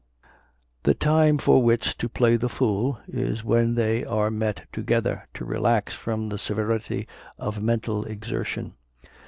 The time for wits to play the fool, is when they are met together, to relax from the severity of mental exertion.